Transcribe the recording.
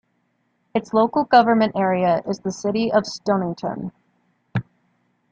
Its local government area is the City of Stonnington.